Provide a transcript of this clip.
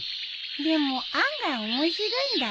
でも案外面白いんだよね。